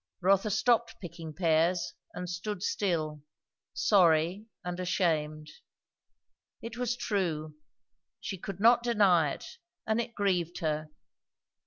Rotha stopped picking pears and stood still, sorry and ashamed. It was true; she could not deny it; and it grieved her.